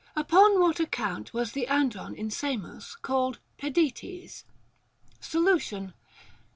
Upon what account was the Andron in Samos called Pedetes % Solution.